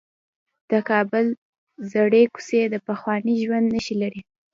د کابل زړې کوڅې د پخواني ژوند نښې لري.